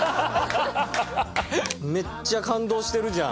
めっちゃ感動してるじゃん。